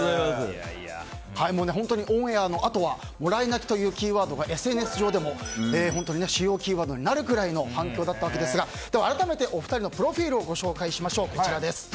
本当にオンエアのあとはもらい泣きというキーワードがＳＮＳ上でも主要キーワードになるぐらいの反響だったわけですが改めて、お二人のプロフィールをご紹介しましょう。